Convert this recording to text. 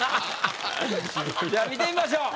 じゃあ見てみましょう。